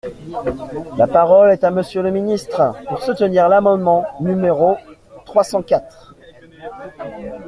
La parole est à Monsieur le ministre, pour soutenir l’amendement numéro trois cent quatre.